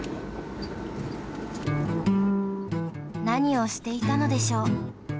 何をしていたのでしょう？